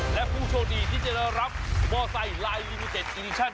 และผู้โชคดีที่จะรับมอเตอร์ไลน์ลิมิเต็ดอินิชัน